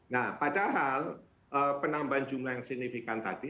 nah padahal penambahan jumlah yang signifikan tadi